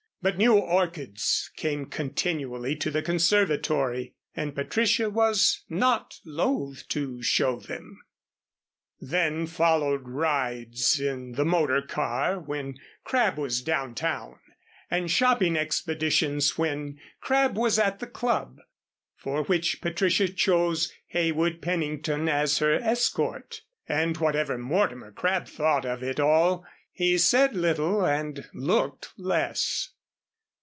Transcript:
But new orchids came continually to the conservatory, and Patricia was not loath to show them. Then followed rides in the motor car when Crabb was down town, and shopping expeditions when Crabb was at the club, for which Patricia chose Heywood Pennington as her escort, and whatever Mortimer Crabb thought of it all, he said little and looked less.